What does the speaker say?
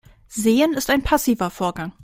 Sehen ist ein passiver Vorgang.